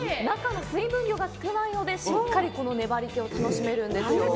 中の水分量が少ないので、しっかり粘り気を楽しめるんですよ。